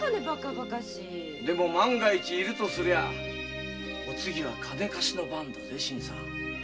万が一いるとすりゃお次は金貸しの番だぜ新さん。